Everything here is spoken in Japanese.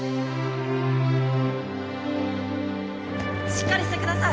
しっかりしてください！